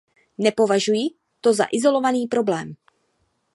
Nepovažuji to za izolovaný problém.